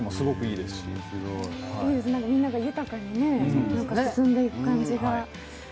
いいですね、みんなが豊かに進んでいく感じが。